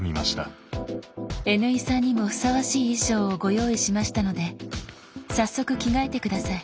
Ｎ井さんにもふさわしい衣装をご用意しましたので早速着替えて下さい。